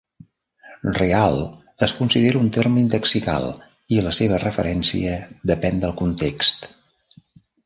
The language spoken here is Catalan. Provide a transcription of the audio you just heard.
"Real" es considera un terme indexical i la seva referència depèn del context.